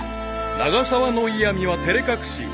［永沢の嫌みは照れ隠し］